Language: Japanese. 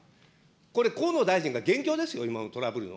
これ、河野大臣が元凶ですよ、今のトラブルの。